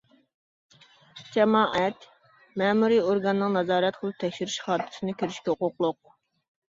جامائەت مەمۇرىي ئورگاننىڭ نازارەت قىلىپ تەكشۈرۈش خاتىرىسىنى كۆرۈشكە ھوقۇقلۇق.